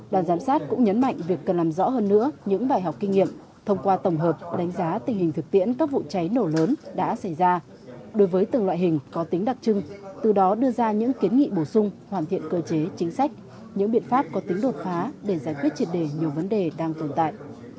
đoàn giám sát cũng nhấn mạnh việc cần làm rõ hơn nữa những bài học kinh nghiệm thông qua tổng hợp đánh giá tình hình thực tiễn các vụ cháy nổ lớn đã xảy ra đối với từng loại hình có tính đặc trưng từ đó đưa ra những kiến nghị bổ sung hoàn thiện cơ chế chính sách những biện pháp có tính đột phá để giải quyết triệt đề nhiều vấn đề đang tồn tại